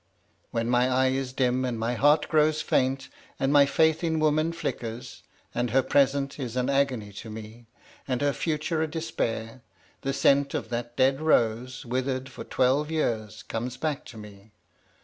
When my eye is dim, and my heart grows faint, and my faith in woman flickers, and her present is an agony to me, and her future a despair, the scent of that dead rose, withered for twelve years, comes back to me.